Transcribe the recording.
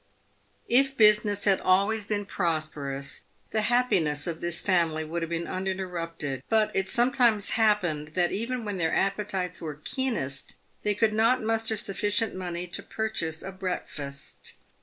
If business had always been prosperous, the happiness of this family would have been uninterrupted, but it sometimes happened that even when their appetites were keenest, they could not muster sufficient money to purchase a breakfast.